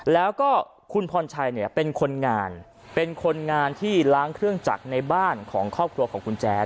แล้วก็คุณพรชัยเนี่ยเป็นคนงานเป็นคนงานที่ล้างเครื่องจักรในบ้านของครอบครัวของคุณแจ๊ด